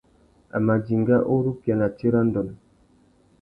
A mà dinga urukia a nà tsirândone.